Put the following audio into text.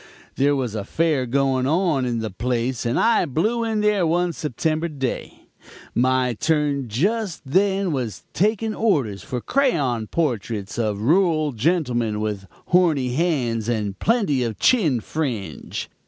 There was a fair going on in the place, and I blew in there one September day; my turn just then was taking orders for crayon portraits of rural gentlemen with horny hands and plenty of chin fringe.